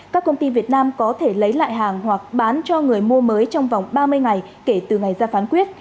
các công ty việt nam có thể lấy lại hàng hoặc bán cho người mua mới trong vòng ba mươi ngày kể từ ngày ra phán quyết